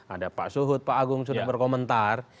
ada pak suhut pak agung sudah berkomentar